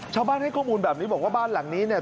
ชาวบ้านให้ข้อมูลแบบนี้บอกว่าบ้านหลังนี้เนี่ย